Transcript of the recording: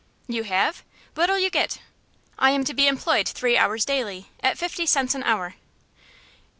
"You have? What'll you get?" "I am to be employed three hours daily, at fifty cents an hour."